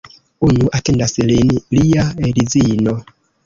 Unu atendas lin, lia edzino.